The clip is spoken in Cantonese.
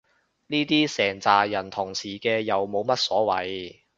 呢啲成咋人同時嘅又冇乜所謂